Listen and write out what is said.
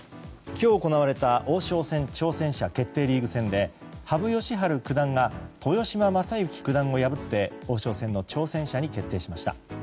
今日行われた王将戦挑戦者決定リーグ戦で羽生善治九段が豊島将之九段を破って王将戦の挑戦者に決定しました。